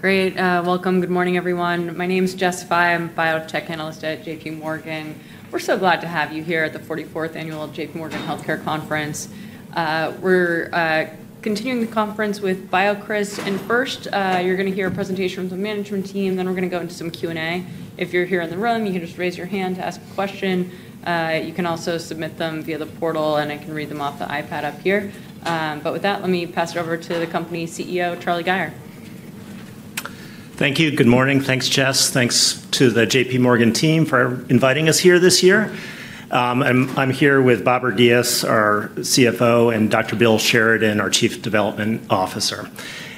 Great. Welcome. Good morning, everyone. My name's Jess Fye. I'm a biotech analyst at JPMorgan. We're so glad to have you here at the 44th Annual JPMorgan Healthcare Conference. We're continuing the conference with BioCryst. And first, you're going to hear a presentation from the management team. Then we're going to go into some Q&A. If you're here in the room, you can just raise your hand to ask a question. You can also submit them via the portal, and I can read them off the iPad up here. But with that, let me pass it over to the company CEO, Charlie Gayer. Thank you. Good morning. Thanks, Jess. Thanks to the JPMorgan team for inviting us here this year. I'm here with Babar Ghias, our CFO, and Dr. Bill Sheridan, our Chief Development Officer,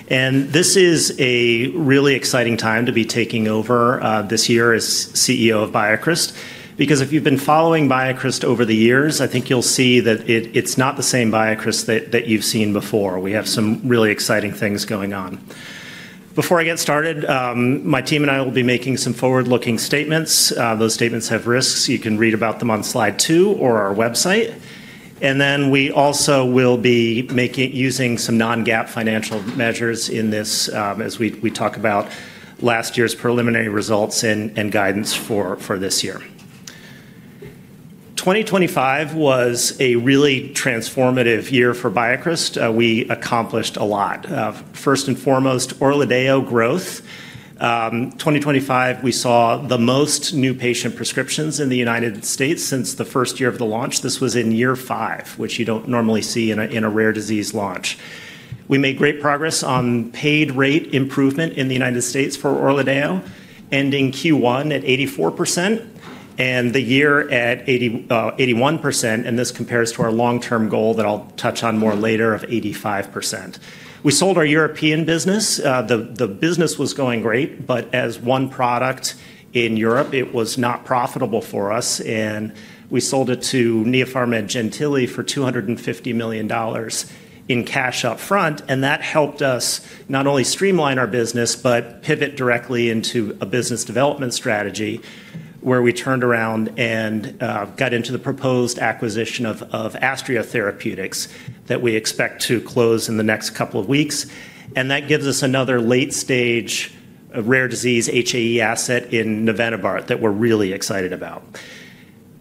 and this is a really exciting time to be taking over this year as CEO of BioCryst. Because if you've been following BioCryst over the years, I think you'll see that it's not the same BioCryst that you've seen before. We have some really exciting things going on. Before I get started, my team and I will be making some forward-looking statements. Those statements have risks. You can read about them on Slide 2 or our website, and then we also will be using some non-GAAP financial measures in this, as we talk about last year's preliminary results and guidance for this year. 2025 was a really transformative year for BioCryst. We accomplished a lot. First and foremost, ORLADEYO growth. 2025, we saw the most new patient prescriptions in the United States since the first year of the launch. This was in year five, which you don't normally see in a rare disease launch. We made great progress on paid rate improvement in the United States for ORLADEYO, ending Q1 at 84% and the year at 81%. And this compares to our long-term goal that I'll touch on more later of 85%. We sold our European business. The business was going great, but as one product in Europe, it was not profitable for us. And we sold it to Neopharmed Gentili for $250 million in cash upfront. And that helped us not only streamline our business, but pivot directly into a business development strategy where we turned around and got into the proposed acquisition of Astria Therapeutics that we expect to close in the next couple of weeks. And that gives us another late-stage rare disease HAE asset in navenibart that we're really excited about.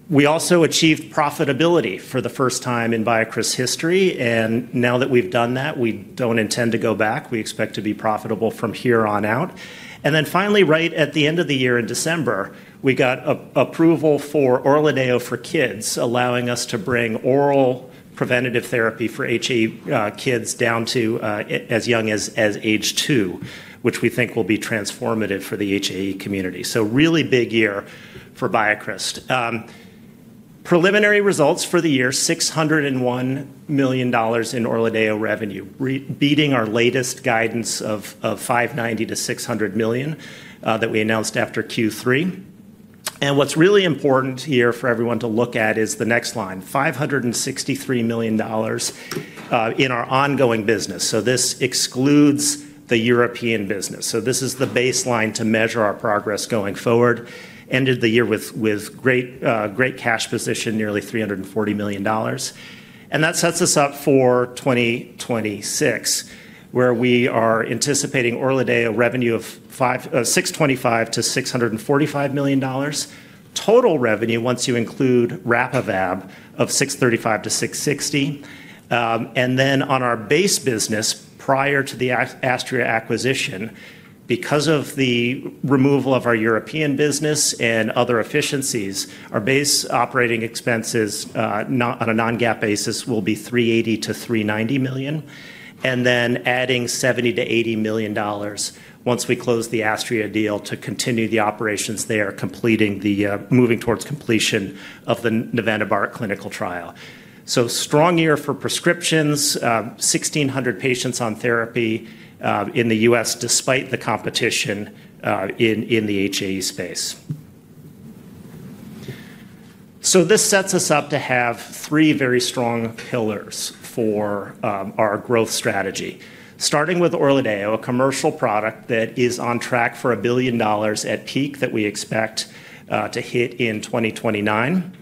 We also achieved profitability for the first time in BioCryst history. And now that we've done that, we don't intend to go back. We expect to be profitable from here on out. And then finally, right at the end of the year in December, we got approval for ORLADEYO for kids, allowing us to bring oral preventative therapy for HAE kids down to as young as age two, which we think will be transformative for the HAE community. So really big year for BioCryst. Preliminary results for the year: $601 million in ORLADEYO revenue, beating our latest guidance of $590 million-$600 million that we announced after Q3, and what's really important here for everyone to look at is the next line: $563 million in our ongoing business, so this excludes the European business, so this is the baseline to measure our progress going forward. Ended the year with great cash position, nearly $340 million, and that sets us up for 2026, where we are anticipating ORLADEYO revenue of $625 million-$645 million. Total revenue, once you include RAPIVAB, of $635 million-$660 million, and then on our base business, prior to the Astria acquisition, because of the removal of our European business and other efficiencies, our base operating expenses on a non-GAAP basis will be $380 million-$390 million. And then adding $70 million-$80 million once we close the Astria deal to continue the operations there, moving towards completion of the navenibart clinical trial. So strong year for prescriptions, 1,600 patients on therapy in the U.S., despite the competition in the HAE space. So this sets us up to have three very strong pillars for our growth strategy, starting with ORLADEYO, a commercial product that is on track for $1 billion at peak that we expect to hit in 2029.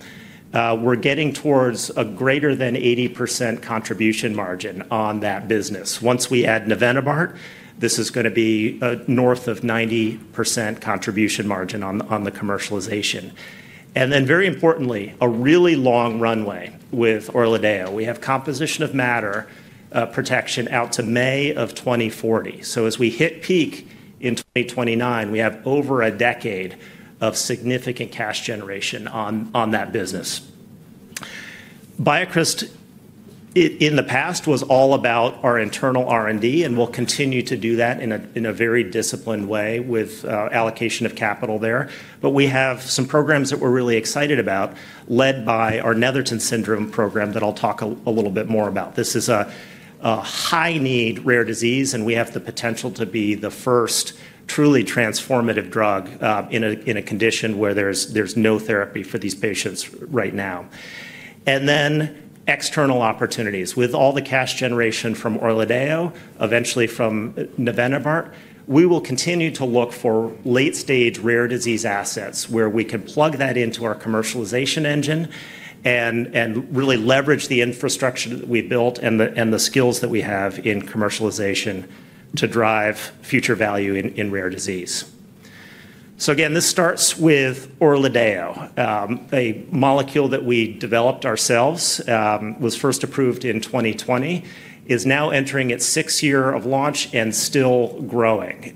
We're getting towards a greater than 80% contribution margin on that business. Once we add navenibart, this is going to be north of 90% contribution margin on the commercialization. And then very importantly, a really long runway with ORLADEYO. We have composition of matter protection out to May of 2040. So as we hit peak in 2029, we have over a decade of significant cash generation on that business. BioCryst in the past was all about our internal R&D and will continue to do that in a very disciplined way with allocation of capital there. But we have some programs that we're really excited about, led by our Netherton Syndrome program that I'll talk a little bit more about. This is a high-need rare disease, and we have the potential to be the first truly transformative drug in a condition where there's no therapy for these patients right now. And then external opportunities. With all the cash generation from ORLADEYO, eventually from navenibart, we will continue to look for late-stage rare disease assets where we can plug that into our commercialization engine and really leverage the infrastructure that we built and the skills that we have in commercialization to drive future value in rare disease. So again, this starts with ORLADEYO, a molecule that we developed ourselves, was first approved in 2020, is now entering its sixth year of launch and still growing.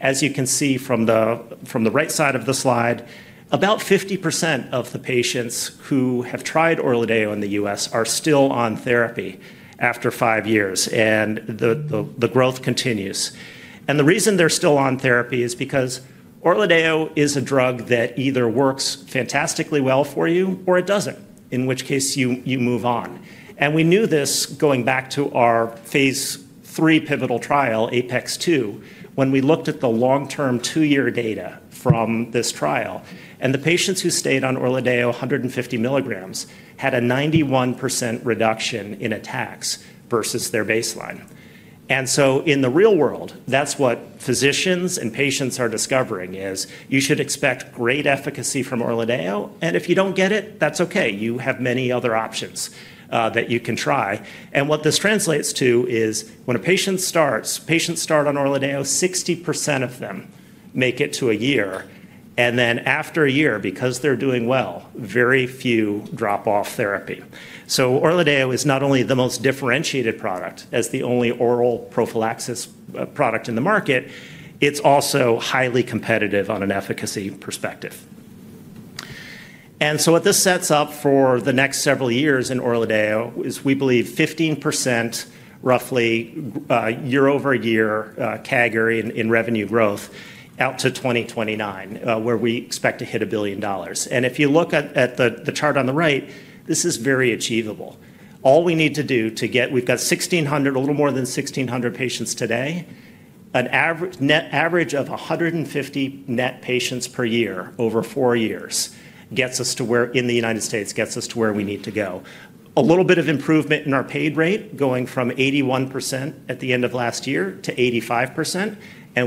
As you can see from the right side of the slide, about 50% of the patients who have tried ORLADEYO in the U.S. are still on therapy after five years, and the growth continues. And the reason they're still on therapy is because ORLADEYO is a drug that either works fantastically well for you or it doesn't, in which case you move on. And we knew this going back to our Phase III pivotal trial, APeX-2, when we looked at the long-term two-year data from this trial. And the patients who stayed on ORLADEYO 150 milligrams had a 91% reduction in attacks versus their baseline. And so in the real world, that's what physicians and patients are discovering is you should expect great efficacy from ORLADEYO. And if you don't get it, that's okay. You have many other options that you can try. And what this translates to is when a patient starts, patients start on ORLADEYO, 60% of them make it to a year. And then after a year, because they're doing well, very few drop off therapy. So ORLADEYO is not only the most differentiated product as the only oral prophylaxis product in the market, it's also highly competitive on an efficacy perspective. So what this sets up for the next several years in ORLADEYO is we believe 15% roughly year-over-year CAGR in revenue growth out to 2029, where we expect to hit $1 billion. If you look at the chart on the right, this is very achievable. All we need to do to get, we've got 1,600, a little more than 1,600 patients today, an average net of 150 net patients per year over four years gets us to where we need to go in the United States. A little bit of improvement in our paid rate going from 81% at the end of last year to 85%.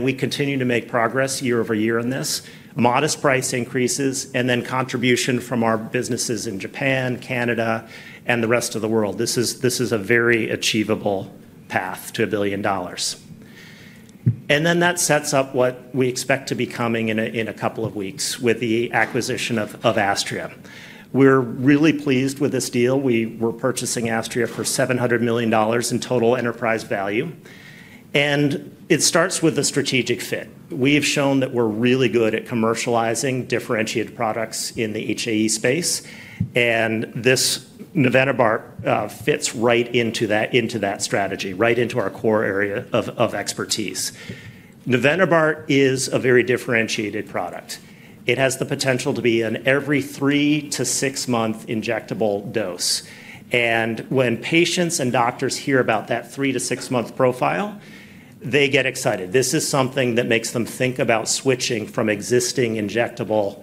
We continue to make progress year-over-year in this, modest price increases, and then contribution from our businesses in Japan, Canada, and the rest of the world. This is a very achievable path to $1 billion. And then that sets up what we expect to be coming in a couple of weeks with the acquisition of Astria. We're really pleased with this deal. We were purchasing Astria for $700 million in total enterprise value. And it starts with a strategic fit. We have shown that we're really good at commercializing differentiated products in the HAE space. And this navenibart fits right into that strategy, right into our core area of expertise. Navenibart is a very differentiated product. It has the potential to be an every three- to six-month injectable dose. And when patients and doctors hear about that three- to six-month profile, they get excited. This is something that makes them think about switching from existing injectable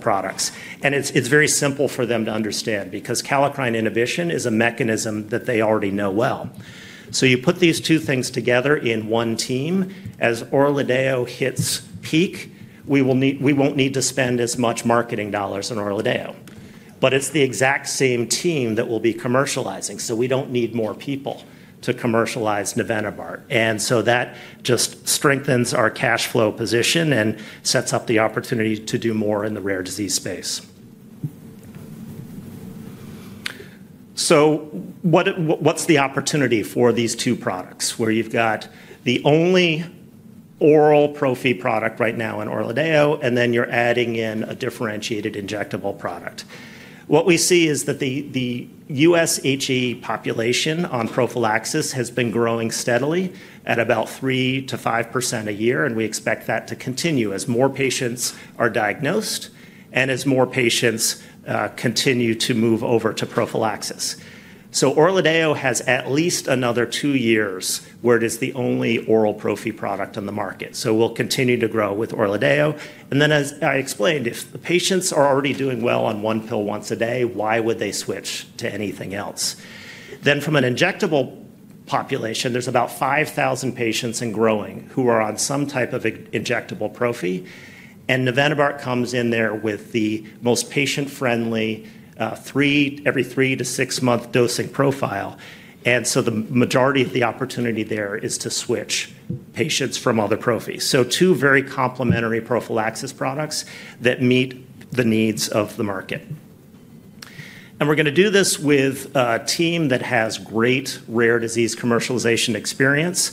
products. And it's very simple for them to understand because kallikrein inhibition is a mechanism that they already know well. So you put these two things together in one team. As ORLADEYO hits peak, we won't need to spend as much marketing dollars on ORLADEYO. But it's the exact same team that will be commercializing. So we don't need more people to commercialize navenibart. And so that just strengthens our cash flow position and sets up the opportunity to do more in the rare disease space. So what's the opportunity for these two products where you've got the only oral prophy product right now in ORLADEYO, and then you're adding in a differentiated injectable product? What we see is that the U.S. HAE population on prophylaxis has been growing steadily at about 3%-5% a year. And we expect that to continue as more patients are diagnosed and as more patients continue to move over to prophylaxis. ORLADEYO has at least another two years where it is the only oral prophy product on the market. We'll continue to grow with ORLADEYO. Then as I explained, if the patients are already doing well on one pill once a day, why would they switch to anything else? From an injectable population, there's about 5,000 patients and growing who are on some type of injectable prophy. Navenibart comes in there with the most patient-friendly every three- to six-month dosing profile. The majority of the opportunity there is to switch patients from other prophys. Two very complementary prophylaxis products that meet the needs of the market. We're going to do this with a team that has great rare disease commercialization experience,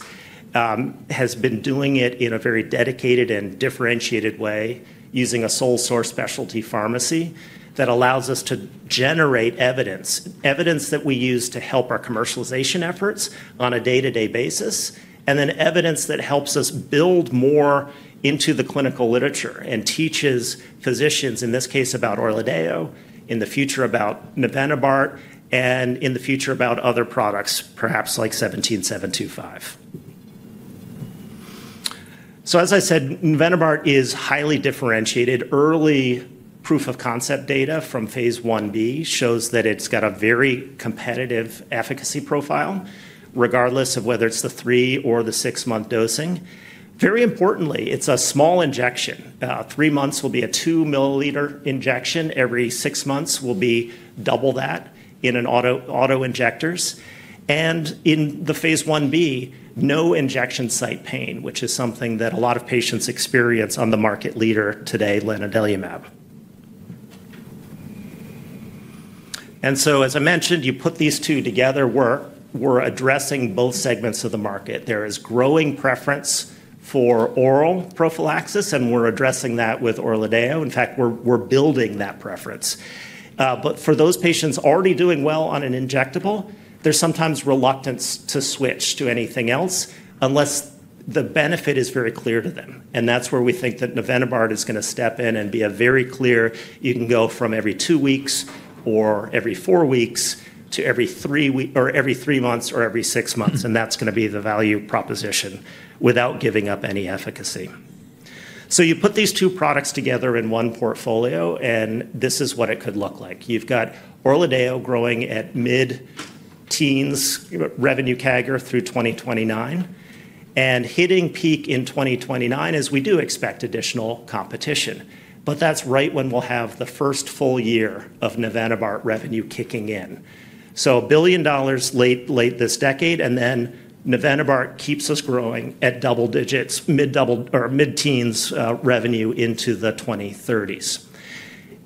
has been doing it in a very dedicated and differentiated way using a sole-source specialty pharmacy that allows us to generate evidence, evidence that we use to help our commercialization efforts on a day-to-day basis, and then evidence that helps us build more into the clinical literature and teaches physicians, in this case, about ORLADEYO, in the future about navenibart, and in the future about other products, perhaps like 17725. So as I said, navenibart is highly differentiated. Early proof of concept data from Phase Ib shows that it's got a very competitive efficacy profile, regardless of whether it's the three or the six-month dosing. Very importantly, it's a small injection. Three months will be a 2 mL injection. Every six months will be double that in auto injectors. In the Phase Ib, no injection site pain, which is something that a lot of patients experience on the market leader today, lanadelumab. As I mentioned, you put these two together, we're addressing both segments of the market. There is growing preference for oral prophylaxis, and we're addressing that with ORLADEYO. In fact, we're building that preference. For those patients already doing well on an injectable, there's sometimes reluctance to switch to anything else unless the benefit is very clear to them. That's where we think that navenibart is going to step in and be a very clear you can go from every two weeks or every four weeks to every three months or every six months. That's going to be the value proposition without giving up any efficacy. You put these two products together in one portfolio, and this is what it could look like. You've got ORLADEYO growing at mid-teens revenue CAGR through 2029 and hitting peak in 2029 as we do expect additional competition. But that's right when we'll have the first full year of navenibart revenue kicking in. So $1 billion late this decade, and then navenibart keeps us growing at double digits, mid-teens revenue into the 2030s.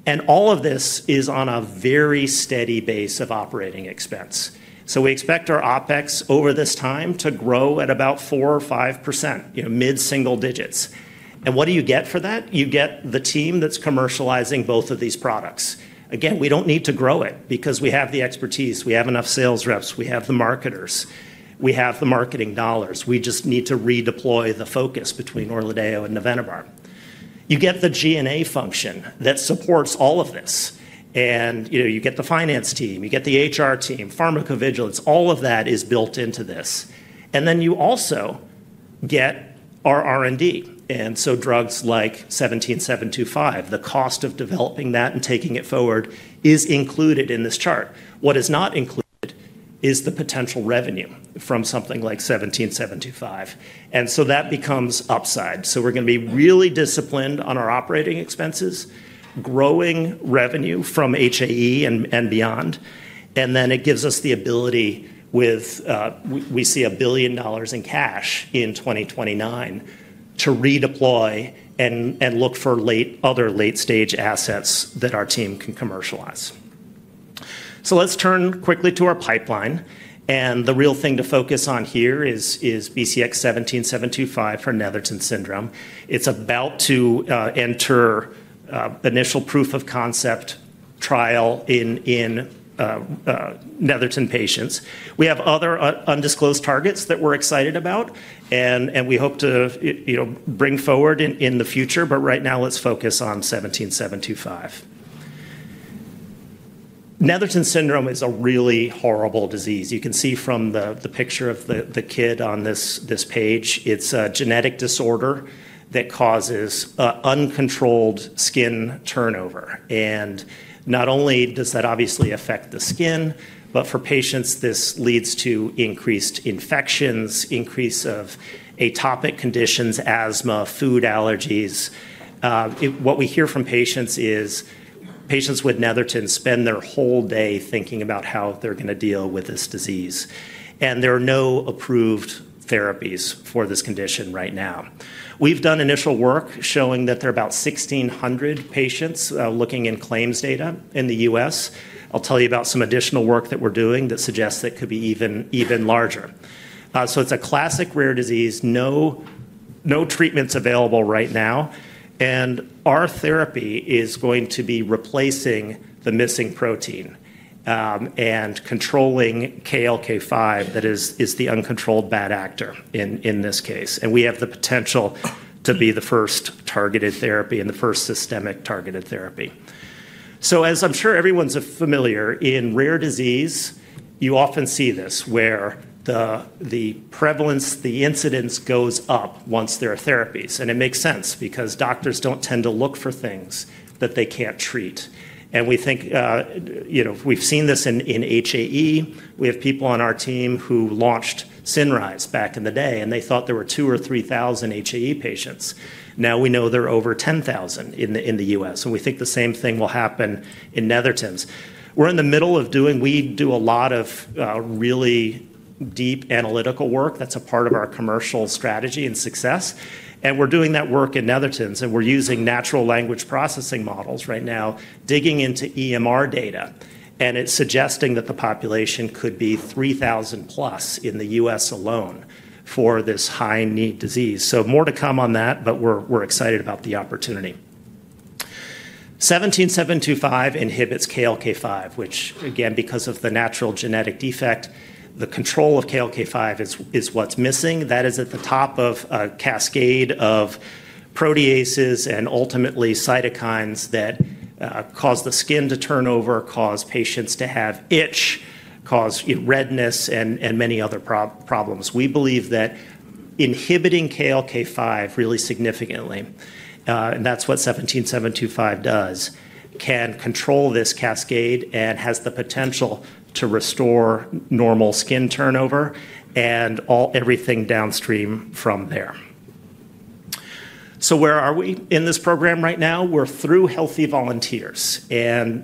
And all of this is on a very steady base of operating expense. So we expect our OPEX over this time to grow at about 4% or 5%, mid-single digits. And what do you get for that? You get the team that's commercializing both of these products. Again, we don't need to grow it because we have the expertise. We have enough sales reps. We have the marketers. We have the marketing dollars. We just need to redeploy the focus between ORLADEYO and navenibart. You get the G&A function that supports all of this, and you get the finance team. You get the HR team, pharmacovigilance. All of that is built into this, and then you also get our R&D, and so drugs like 17725, the cost of developing that and taking it forward is included in this chart. What is not included is the potential revenue from something like 17725, and so that becomes upside, so we're going to be really disciplined on our operating expenses, growing revenue from HAE and beyond, and then it gives us the ability, with we see $1 billion in cash in 2029, to redeploy and look for other late-stage assets that our team can commercialize, so let's turn quickly to our pipeline. The real thing to focus on here is BCX17725 for Netherton Syndrome. It's about to enter initial proof of concept trial in Netherton patients. We have other undisclosed targets that we're excited about, and we hope to bring forward in the future. Right now, let's focus on 17725. Netherton Syndrome is a really horrible disease. You can see from the picture of the kid on this page; it's a genetic disorder that causes uncontrolled skin turnover. Not only does that obviously affect the skin, but for patients, this leads to increased infections, increase of atopic conditions, asthma, food allergies. What we hear from patients is patients with Netherton spend their whole day thinking about how they're going to deal with this disease. There are no approved therapies for this condition right now. We've done initial work showing that there are about 1,600 patients looking in claims data in the U.S. I'll tell you about some additional work that we're doing that suggests it could be even larger. So it's a classic rare disease, no treatments available right now. And our therapy is going to be replacing the missing protein and controlling KLK5 that is the uncontrolled bad actor in this case. And we have the potential to be the first targeted therapy and the first systemic targeted therapy. So as I'm sure everyone's familiar, in rare disease, you often see this where the prevalence, the incidence goes up once there are therapies. And it makes sense because doctors don't tend to look for things that they can't treat. And we think we've seen this in HAE. We have people on our team who launched CINRYZE back in the day, and they thought there were 2,000 or 3,000 HAE patients. Now we know there are over 10,000 in the U.S. We think the same thing will happen in Netherton's. We're in the middle of doing a lot of really deep analytical work. That's a part of our commercial strategy and success. We're doing that work in Netherton's. We're using natural language processing models right now, digging into EMR data. It's suggesting that the population could be 3,000+ in the U.S. alone for this high need disease. More to come on that, but we're excited about the opportunity. 17725 inhibits KLK5, which, again, because of the natural genetic defect, the control of KLK5 is what's missing. That is at the top of a cascade of proteases and ultimately cytokines that cause the skin to turnover, cause patients to have itch, cause redness, and many other problems. We believe that inhibiting KLK5 really significantly, and that's what 17725 does, can control this cascade and has the potential to restore normal skin turnover and everything downstream from there. So where are we in this program right now? We're through healthy volunteers. And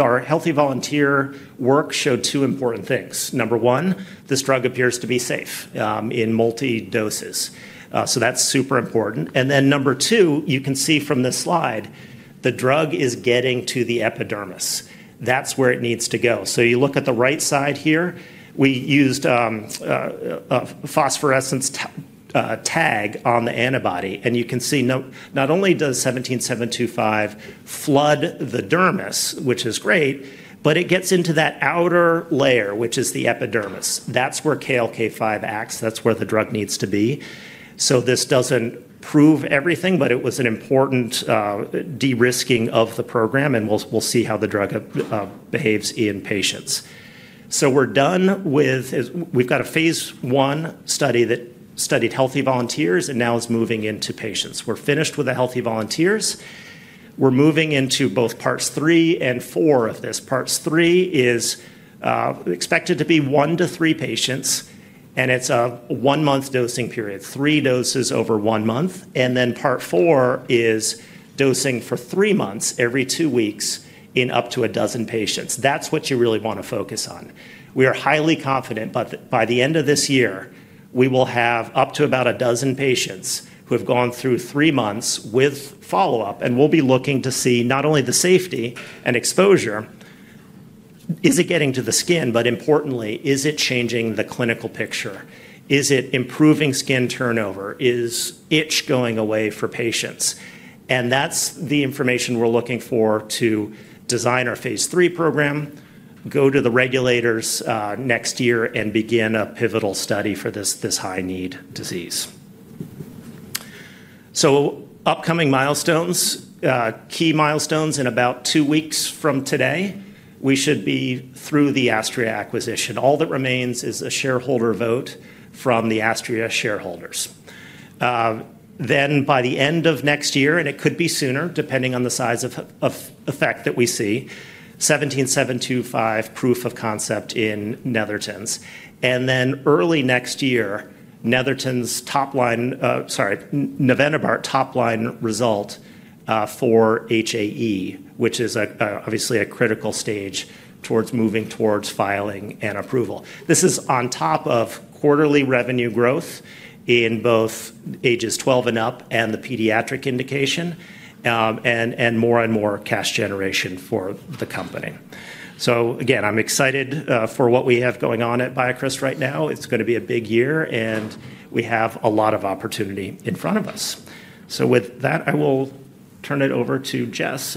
our healthy volunteer work showed two important things. Number one, this drug appears to be safe in multi-doses. So that's super important. And then number two, you can see from this slide, the drug is getting to the epidermis. That's where it needs to go. So you look at the right side here, we used a phosphorescence tag on the antibody. You can see not only does 17725 flood the dermis, which is great, but it gets into that outer layer, which is the epidermis. That's where KLK5 acts. That's where the drug needs to be. So this doesn't prove everything, but it was an important de-risking of the program. And we'll see how the drug behaves in patients. So we're done. We've got a Phase I study that studied healthy volunteers and now is moving into patients. We're finished with the healthy volunteers. We're moving into both parts three and four of this. Part three is expected to be one to three patients, and it's a one-month dosing period, three doses over one month. And then part four is dosing for three months every two weeks in up to a dozen patients. That's what you really want to focus on. We are highly confident by the end of this year, we will have up to about a dozen patients who have gone through three months with follow-up. And we'll be looking to see not only the safety and exposure, is it getting to the skin, but importantly, is it changing the clinical picture? Is it improving skin turnover? Is itch going away for patients? And that's the information we're looking for to design our Phase III program, go to the regulators next year, and begin a pivotal study for this high need disease. So upcoming milestones, key milestones in about two weeks from today, we should be through the Astria acquisition. All that remains is a shareholder vote from the Astria shareholders. Then by the end of next year, and it could be sooner depending on the size of effect that we see, 17725 proof of concept in Netherton's. And then early next year, Netherton's top line, sorry, navenibart top line result for HAE, which is obviously a critical stage towards moving towards filing and approval. This is on top of quarterly revenue growth in both ages 12 and up and the pediatric indication and more and more cash generation for the company. So again, I'm excited for what we have going on at BioCryst right now. It's going to be a big year, and we have a lot of opportunity in front of us. So with that, I will turn it over to Jess.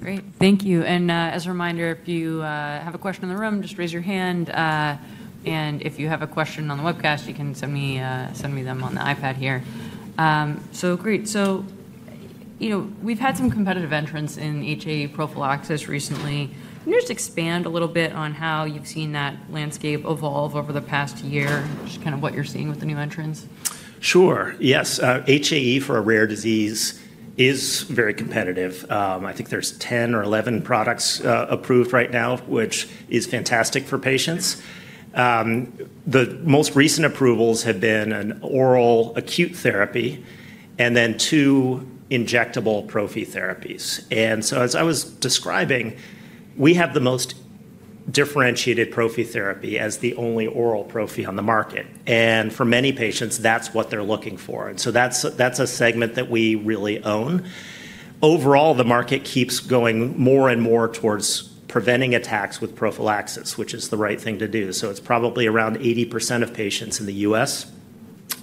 Great. Thank you. And as a reminder, if you have a question in the room, just raise your hand. And if you have a question on the webcast, you can send me them on the iPad here. So great. So we've had some competitive entrants in HAE prophylaxis recently. Can you just expand a little bit on how you've seen that landscape evolve over the past year, just kind of what you're seeing with the new entrants? Sure. Yes. HAE for a rare disease is very competitive. I think there's 10 or 11 products approved right now, which is fantastic for patients. The most recent approvals have been an oral acute therapy and then two injectable prophy therapies. And so as I was describing, we have the most differentiated prophy therapy as the only oral prophy on the market. And for many patients, that's what they're looking for. And so that's a segment that we really own. Overall, the market keeps going more and more towards preventing attacks with prophylaxis, which is the right thing to do. So it's probably around 80% of patients in the U.S.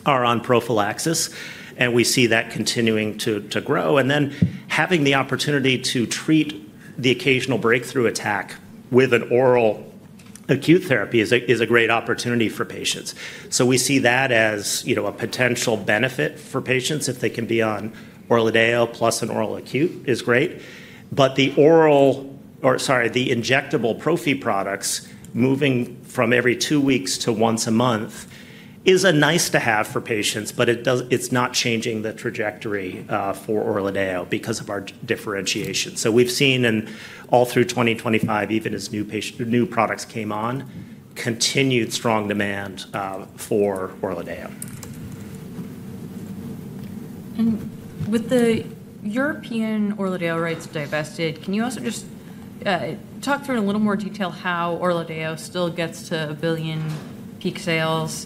are on prophylaxis. And we see that continuing to grow. And then having the opportunity to treat the occasional breakthrough attack with an oral acute therapy is a great opportunity for patients. We see that as a potential benefit for patients. If they can be on ORLADEYO plus an oral acute, it's great. But the oral, or sorry, the injectable prophy products moving from every two weeks to once a month is a nice to have for patients, but it's not changing the trajectory for ORLADEYO because of our differentiation. We've seen all through 2025, even as new products came on, continued strong demand for ORLADEYO. With the European ORLADEYO rights divested, can you also just talk through in a little more detail how ORLADEYO still gets to a billion peak sales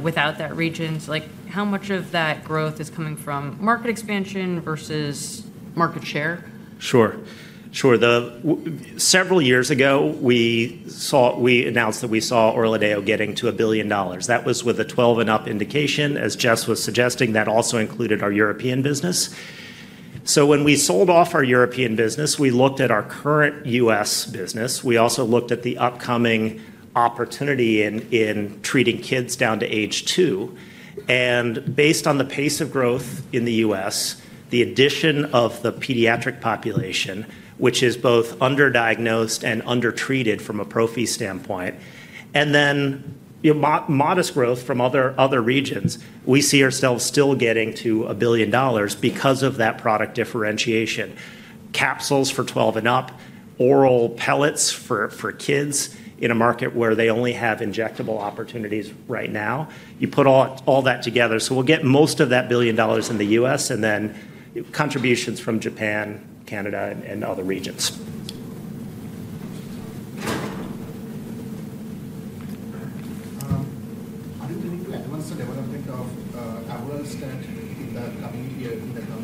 without that region? How much of that growth is coming from market expansion versus market share? Sure. Sure. Several years ago, we announced that we saw ORLADEYO getting to $1 billion. That was with a 12 and up indication, as Jess was suggesting. That also included our European business. So when we sold off our European business, we looked at our current U.S. business. We also looked at the upcoming opportunity in treating kids down to age two. And based on the pace of growth in the U.S., the addition of the pediatric population, which is both underdiagnosed and undertreated from a prophylaxis standpoint, and then modest growth from other regions, we see ourselves still getting to $1 billion because of that product differentiation. Capsules for 12 and up, oral pellets for kids in a market where they only have injectable opportunities right now. You put all that together. So we'll get most of that $1 billion in the U.S. and then contributions from Japan, Canada, and other regions. How do you think you want to develop avoralstat in the coming years, in the coming months or something? Can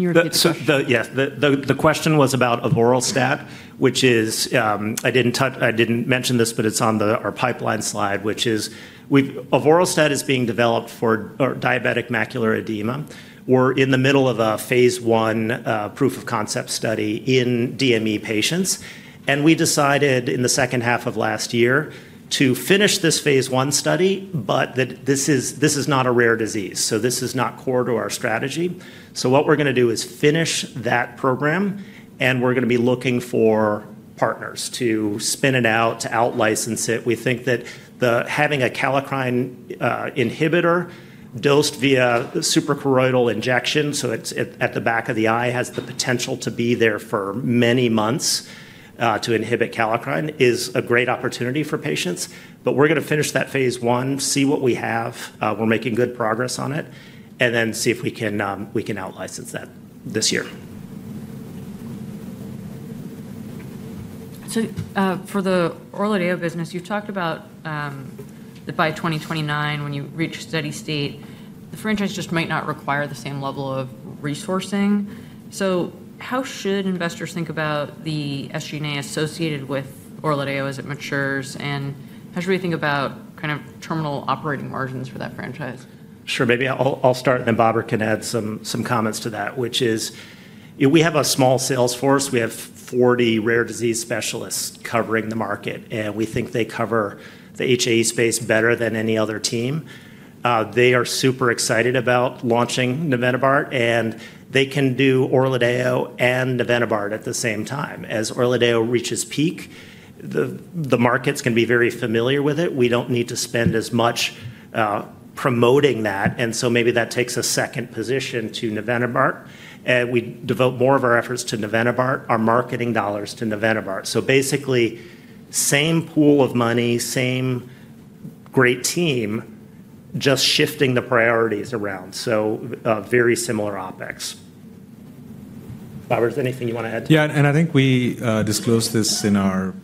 you repeat that? Yes. The question was about avoralstat, which is I didn't mention this, but it's on our pipeline slide, which is avoralstat is being developed for diabetic macular edema. We're in the middle of a Phase I proof of concept study in DME patients. And we decided in the second half of last year to finish this Phase I study, but this is not a rare disease. So this is not core to our strategy. So what we're going to do is finish that program, and we're going to be looking for partners to spin it out, to out-license it. We think that having a kallikrein inhibitor dosed via suprachoroidal injection, so it's at the back of the eye, has the potential to be there for many months to inhibit kallikrein, is a great opportunity for patients. But we're going to finish that Phase I, see what we have. We're making good progress on it, and then see if we can out-license that this year. So for the ORLADEYO business, you've talked about that by 2029, when you reach steady state, the franchise just might not require the same level of resourcing. So how should investors think about the SG&A associated with ORLADEYO as it matures? And how should we think about kind of terminal operating margins for that franchise? Sure. Maybe I'll start, and then Babar can add some comments to that, which is we have a small sales force. We have 40 rare disease specialists covering the market, and we think they cover the HAE space better than any other team. They are super excited about launching navenibart, and they can do ORLADEYO and navenibart at the same time. As ORLADEYO reaches peak, the markets can be very familiar with it. We don't need to spend as much promoting that. And so maybe that takes a second position to navenibart. We devote more of our efforts to navenibart, our marketing dollars to navenibart. So basically, same pool of money, same great team, just shifting the priorities around. So very similar OpEx. Babar, is there anything you want to add to that? Yeah. And I think we disclosed this in our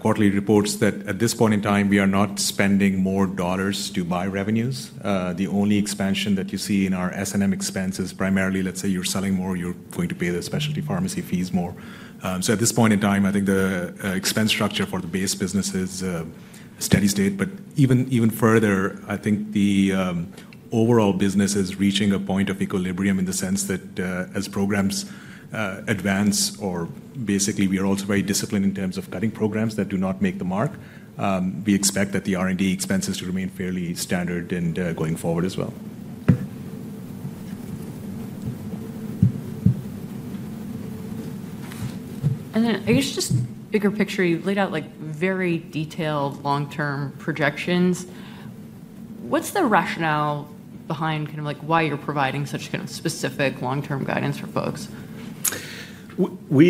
quarterly reports that at this point in time, we are not spending more dollars to buy revenues. The only expansion that you see in our S&M expense is primarily, let's say you're selling more, you're going to pay the specialty pharmacy fees more. So at this point in time, I think the expense structure for the base business is steady state. But even further, I think the overall business is reaching a point of equilibrium in the sense that as programs advance, or basically we are also very disciplined in terms of cutting programs that do not make the mark, we expect that the R&D expenses to remain fairly standard and going forward as well. And then I guess just bigger picture, you've laid out very detailed long-term projections. What's the rationale behind kind of why you're providing such kind of specific long-term guidance for folks? Let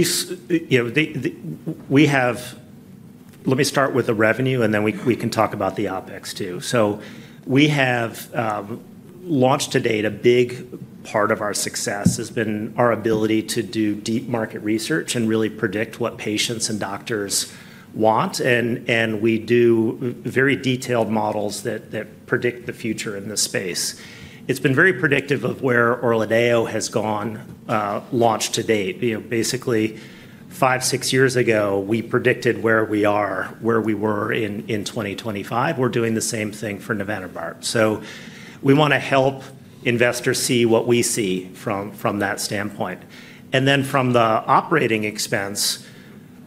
me start with the revenue, and then we can talk about the OpEx too, so we have launched to date, a big part of our success has been our ability to do deep market research and really predict what patients and doctors want, and we do very detailed models that predict the future in this space. It's been very predictive of where ORLADEYO has gone launch to date. Basically, five, six years ago, we predicted where we are, where we were in 2025. We're doing the same thing for navenibart, so we want to help investors see what we see from that standpoint. Then from the operating expense,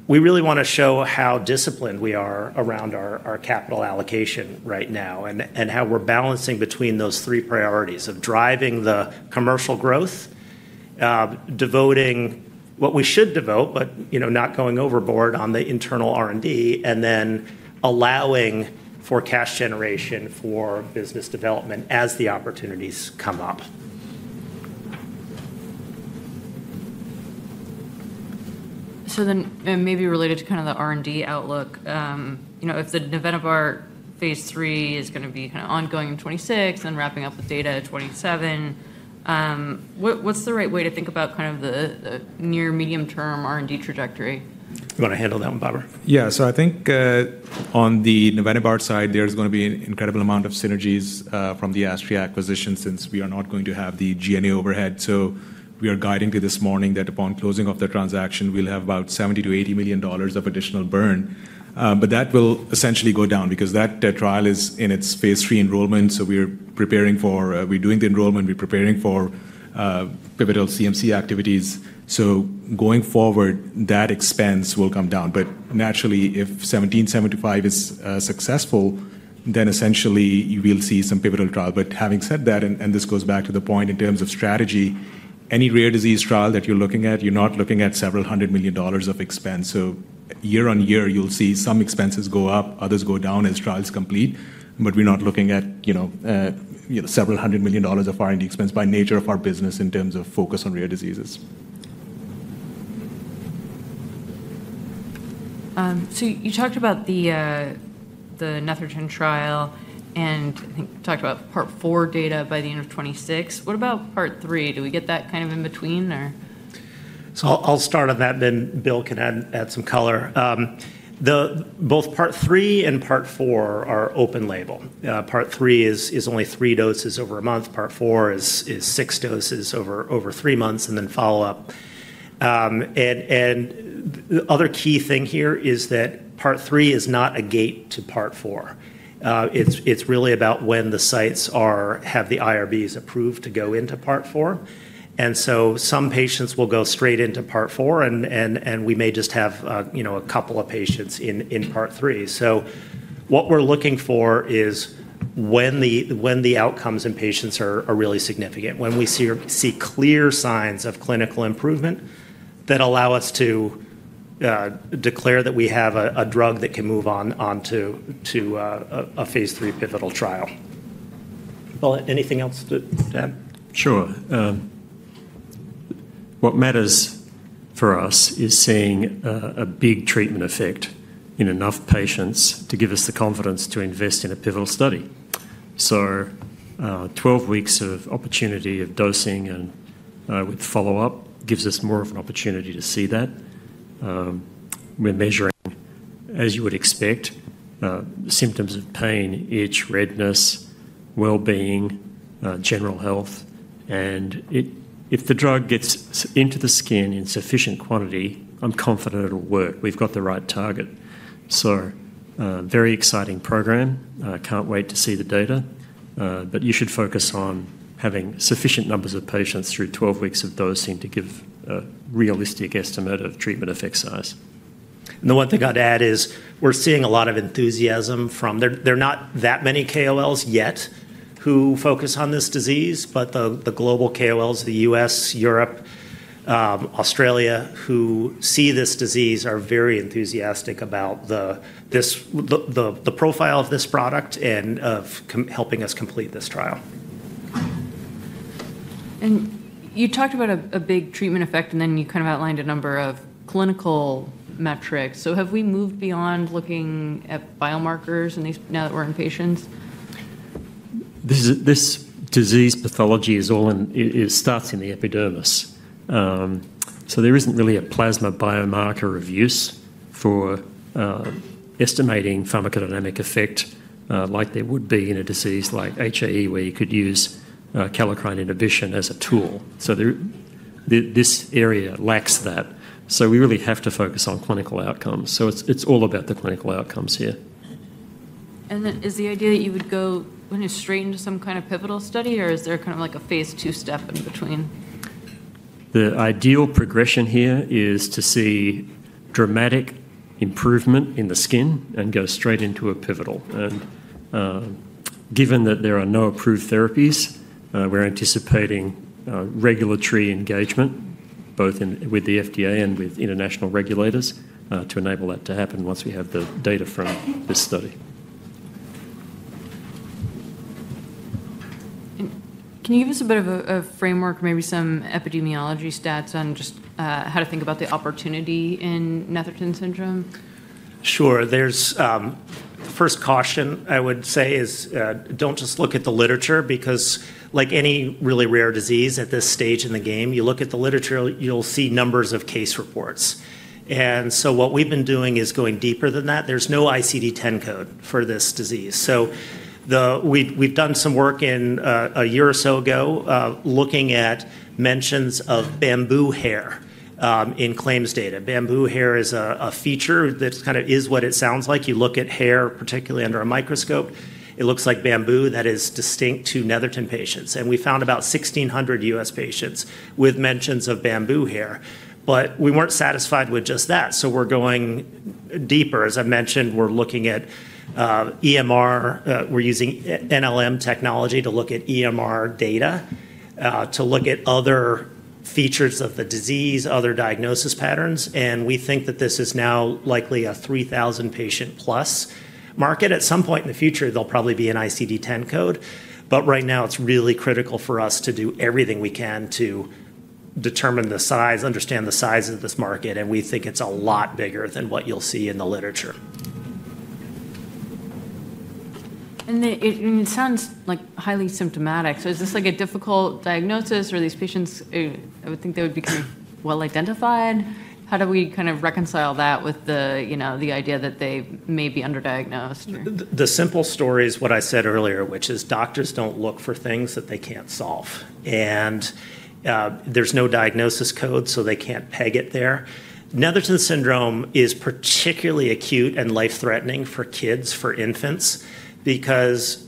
we really want to show how disciplined we are around our capital allocation right now and how we're balancing between those three priorities of driving the commercial growth, devoting what we should devote, but not going overboard on the internal R&D, and then allowing for cash generation for business development as the opportunities come up. So then maybe related to kind of the R&D outlook, if the navenibart Phase III is going to be kind of ongoing in 2026 and wrapping up with data in 2027, what's the right way to think about kind of the near medium-term R&D trajectory? You want to handle that one, Babar? Yeah. So I think on the navenibart side, there's going to be an incredible amount of synergies from the Astria acquisition since we are not going to have the G&A overhead. So we are guiding to this morning that upon closing of the transaction, we'll have about $70-$80 million of additional burn. But that will essentially go down because that trial is in its Phase III enrollment. So we're doing the enrollment, we're preparing for pivotal CMC activities. So going forward, that expense will come down. But naturally, if 17725 is successful, then essentially we'll see some pivotal trial. But having said that, and this goes back to the point in terms of strategy, any rare disease trial that you're looking at, you're not looking at several hundred million dollars of expense. Year on year, you'll see some expenses go up, others go down as trials complete. We're not looking at several hundred million dollars of R&D expense by nature of our business in terms of focus on rare diseases. So you talked about the Netherton trial and I think talked about part four data by the end of 2026. What about part three? Do we get that kind of in between or? So I'll start on that, then Bill can add some color. Both part three and part four are open label. Part three is only three doses over a month. Part four is six doses over three months and then follow-up. And the other key thing here is that part three is not a gate to part four. It's really about when the sites have the IRBs approved to go into part four. And so some patients will go straight into part four, and we may just have a couple of patients in part three. So what we're looking for is when the outcomes in patients are really significant, when we see clear signs of clinical improvement that allow us to declare that we have a drug that can move on to a Phase III pivotal trial. Bill, anything else to add? Sure. What matters for us is seeing a big treatment effect in enough patients to give us the confidence to invest in a pivotal study. So 12 weeks of opportunity of dosing and with follow-up gives us more of an opportunity to see that. We're measuring, as you would expect, symptoms of pain, itch, redness, well-being, general health. And if the drug gets into the skin in sufficient quantity, I'm confident it'll work. We've got the right target. So very exciting program. Can't wait to see the data. But you should focus on having sufficient numbers of patients through 12 weeks of dosing to give a realistic estimate of treatment effect size. And the one thing I'd add is we're seeing a lot of enthusiasm from there are not that many KOLs yet who focus on this disease, but the global KOLs, the U.S., Europe, Australia who see this disease are very enthusiastic about the profile of this product and of helping us complete this trial. And you talked about a big treatment effect, and then you kind of outlined a number of clinical metrics. So have we moved beyond looking at biomarkers now that we're in patients? This disease pathology starts in the epidermis. So there isn't really a plasma biomarker of use for estimating pharmacodynamic effect like there would be in a disease like HAE where you could use kallikrein inhibition as a tool. So this area lacks that. So we really have to focus on clinical outcomes. So it's all about the clinical outcomes here. And then is the idea that you would go straight into some kind of pivotal study, or is there kind of like a Phase II step in between? The ideal progression here is to see dramatic improvement in the skin and go straight into a pivotal. And given that there are no approved therapies, we're anticipating regulatory engagement both with the FDA and with international regulators to enable that to happen once we have the data from this study. Can you give us a bit of a framework, maybe some epidemiology stats on just how to think about the opportunity in Netherton syndrome? Sure. The first caution I would say is don't just look at the literature because like any really rare disease at this stage in the game, you look at the literature, you'll see numbers of case reports. And so what we've been doing is going deeper than that. There's no ICD-10 code for this disease. So we've done some work a year or so ago looking at mentions of bamboo hair in claims data. Bamboo hair is a feature that kind of is what it sounds like. You look at hair, particularly under a microscope, it looks like bamboo that is distinct to Netherton patients. And we found about 1,600 U.S. patients with mentions of bamboo hair. But we weren't satisfied with just that. So we're going deeper. As I mentioned, we're looking at EMR. We're using NLM technology to look at EMR data, to look at other features of the disease, other diagnosis patterns, and we think that this is now likely a 3,000 patient plus market. At some point in the future, there'll probably be an ICD-10 code, but right now, it's really critical for us to do everything we can to determine the size, understand the size of this market, and we think it's a lot bigger than what you'll see in the literature. And it sounds like highly symptomatic. So is this like a difficult diagnosis? Are these patients, I would think they would be kind of well identified? How do we kind of reconcile that with the idea that they may be underdiagnosed? The simple story is what I said earlier, which is doctors don't look for things that they can't solve. And there's no diagnosis code, so they can't peg it there. Netherton syndrome is particularly acute and life-threatening for kids, for infants, because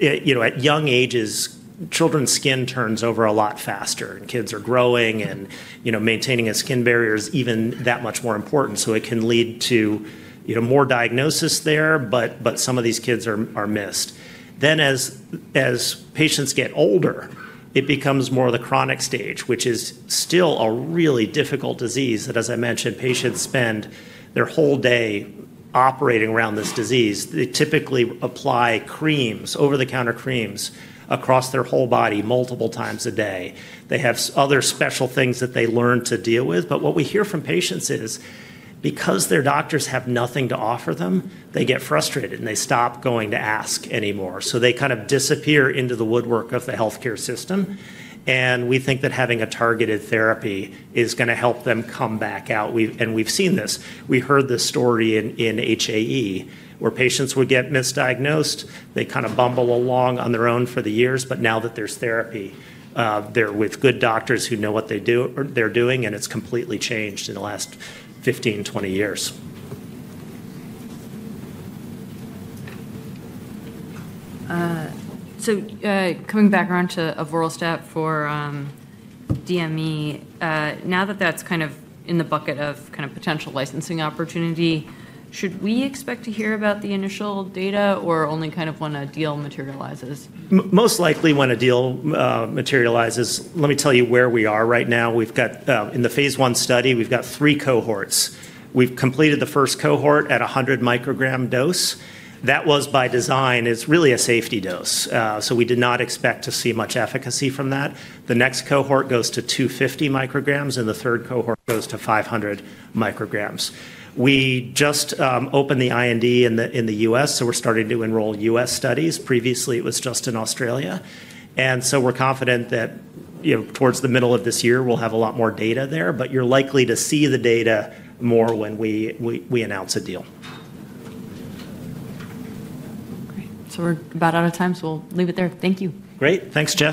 at young ages, children's skin turns over a lot faster, and kids are growing and maintaining a skin barrier is even that much more important. So it can lead to more diagnosis there, but some of these kids are missed. Then as patients get older, it becomes more of the chronic stage, which is still a really difficult disease. And as I mentioned, patients spend their whole day operating around this disease. They typically apply creams, over-the-counter creams across their whole body multiple times a day. They have other special things that they learn to deal with. But what we hear from patients is because their doctors have nothing to offer them, they get frustrated and they stop going to ask anymore. So they kind of disappear into the woodwork of the healthcare system. And we think that having a targeted therapy is going to help them come back out. And we've seen this. We heard this story in HAE where patients would get misdiagnosed. They kind of bumble along on their own for the years. But now that there's therapy, they're with good doctors who know what they're doing, and it's completely changed in the last 15, 20 years. Coming back around to avoralstat for DME, now that that's kind of in the bucket of kind of potential licensing opportunity, should we expect to hear about the initial data or only kind of when a deal materializes? Most likely when a deal materializes. Let me tell you where we are right now. In the Phase I study, we've got three cohorts. We've completed the first cohort at a 100-microgram dose. That was by design. It's really a safety dose. So we did not expect to see much efficacy from that. The next cohort goes to 250 micrograms, and the third cohort goes to 500 micrograms. We just opened the IND in the U.S., so we're starting to enroll U.S. studies. Previously, it was just in Australia. And so we're confident that towards the middle of this year, we'll have a lot more data there. But you're likely to see the data more when we announce a deal. So we're about out of time, so we'll leave it there. Thank you. Great. Thanks, Jess.